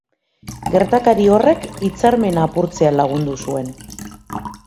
Gertakari horrek hitzarmena apurtzea lagundu zuen.